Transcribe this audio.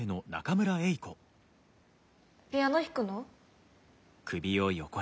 ピアノ弾くの？